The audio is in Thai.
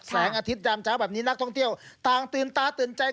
แสงอาทิตยามเช้าแบบนี้นักท่องเที่ยวต่างตื่นตาตื่นใจ